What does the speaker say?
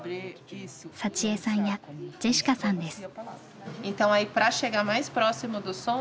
サチエさんやジェシカさんです。